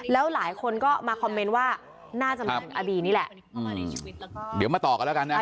แล้วหลายคนก็มาคอมเมนต์ว่าน่าจะเหมือนอดีตนี่แหละเดี๋ยวมาต่อกันแล้วกันนะ